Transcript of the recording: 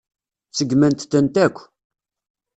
Seggment-tent akk.